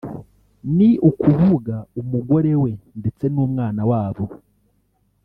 ni ukuvuga umugore we ndetse n’umwana wabo